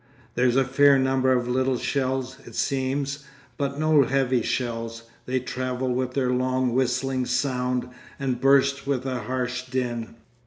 There is a fair number of little shells, it seems, but no heavy shells; they travel with their long whistling sound, and burst with a harsh din.